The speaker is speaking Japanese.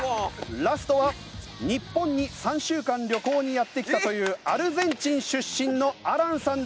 ラストは日本に３週間旅行にやって来たというアルゼンチン出身のアランさんです。